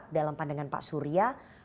dalam pandangan pak surya